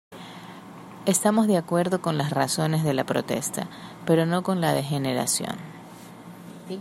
Estamos de acuerdo con las razones de la protesta, pero no con la degeneración"".